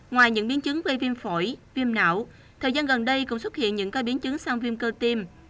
ngoài những biến chứng gây viêm phổi viêm não thời gian gần đây cũng xuất hiện những ca biến chứng sang viêm cơ tim